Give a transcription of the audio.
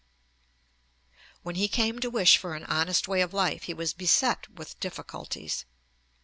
When he came to wish for an honest way of life he was beset with difficulties.